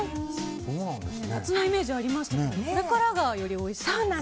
夏のイメージがありましたがこれからがよりおいしいと。